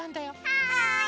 はい！